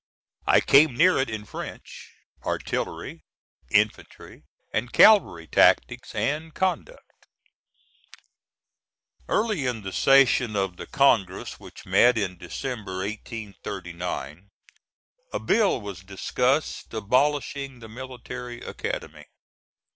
I came near it in French, artillery, infantry and cavalry tactics, and conduct. Early in the session of the Congress which met in December, 1839, a bill was discussed abolishing the Military Academy.